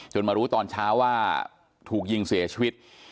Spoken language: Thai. มารู้ตอนเช้าว่าถูกยิงเสียชีวิต